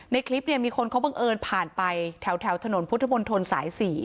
ในคลิปเนี่ยมีคนเขาบังเอิญผ่านไปแถวถนนพุทธมนตรสาย๔